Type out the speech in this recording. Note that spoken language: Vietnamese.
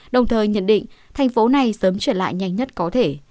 đồng thời nhận định thành phố này sớm trở lại nhanh nhất có thể